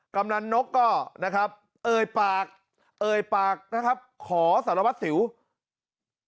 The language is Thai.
กำลังนกก็เอ่ยปากเอ่ยปากขอสารวัตรศิลป์